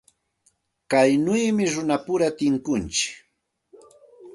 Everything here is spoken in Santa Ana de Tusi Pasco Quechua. Kaynawmi runapura tunkuntsik.